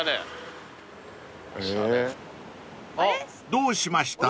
［どうしました？］